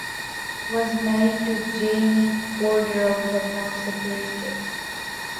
Was married to Jaime Cordero but now separated.